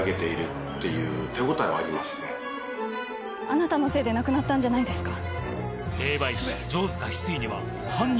あなたのせいで亡くなったんじゃないですか？